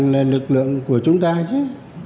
rõ ràng là lực lượng của chúng ta chứ